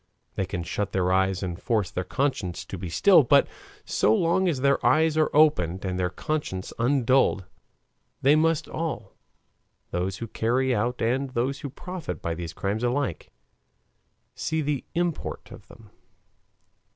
They can shut their eyes and force their conscience to be still, but so long as their eyes are opened and their conscience undulled, they must all those who carry out and those who profit by these crimes alike see the import of them.